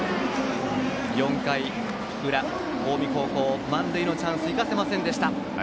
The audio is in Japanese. ４回裏、近江高校満塁のチャンスを生かせませんでした。